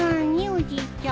おじいちゃん。